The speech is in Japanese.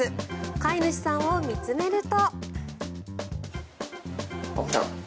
飼い主さんを見つめると。